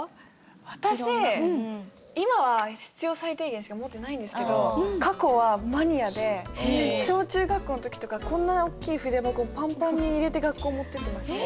私今は必要最低限しか持ってないんですけど過去はマニアで小中学校の時とかこんな大きい筆箱パンパンに入れて学校持ってってましたね。